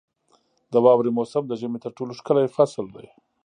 • د واورې موسم د ژمي تر ټولو ښکلی فصل دی.